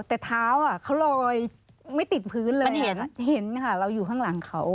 แต่เท้าอ่ะเขาลอยไม่ติดพื้นเลยมันเห็นค่ะเราอยู่ข้างหลังเขา